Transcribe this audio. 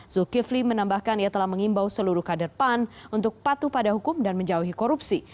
zulkifli menambahkan ia telah mengimbau seluruh kader pan untuk patuh pada hukum dan menjauhi korupsi